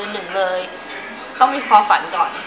หนึ่งเลยต้องมีความฝันก่อน